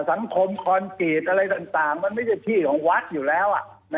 คอนคอนกรีตอะไรต่างมันไม่ใช่ที่ของวัดอยู่แล้ว